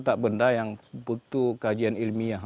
anda yang butuh kajian ilmiah